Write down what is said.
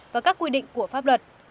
và các quy định của pháp luật